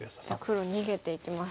黒逃げていきます。